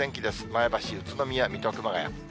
前橋、宇都宮、水戸、熊谷。